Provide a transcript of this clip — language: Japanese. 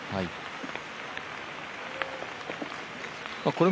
これ。